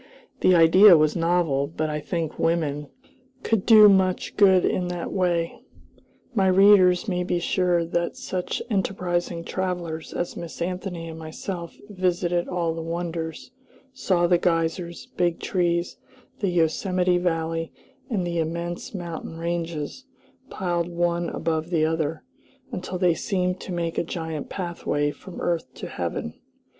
The idea was novel, but I think women could do much good in that way. My readers may be sure that such enterprising travelers as Miss Anthony and myself visited all the wonders, saw the geysers, big trees, the Yosemite Valley, and the immense mountain ranges, piled one above another, until they seemed to make a giant pathway from earth to heaven.